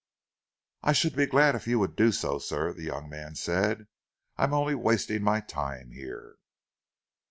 "I should be glad if you would do so, sir," the young man said. "I'm only wasting my time here...."